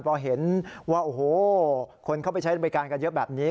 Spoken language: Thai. พอเห็นว่าโอ้โหคนเข้าไปใช้บริการกันเยอะแบบนี้